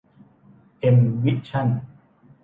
เอ็ม วิชั่น